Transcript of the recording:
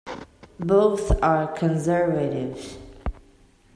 Both are Conservatives.